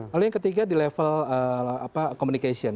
lalu yang ketiga di level communication